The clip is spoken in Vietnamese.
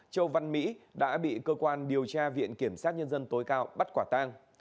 châu văn mỹ đã bị cơ quan điều tra viện kiểm sát nhân dân tối cao bắt quả tang